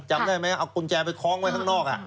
จำได้ไหมเอากุญแจไปคล้องไว้ข้างนอก